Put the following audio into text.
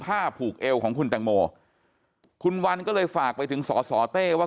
ผูกเอวของคุณแตงโมคุณวันก็เลยฝากไปถึงสอสอเต้ว่า